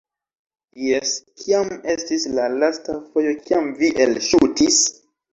- Jes kiam estis la lasta fojo kiam vi elŝutis?